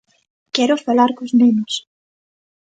Quero falar cos nenos.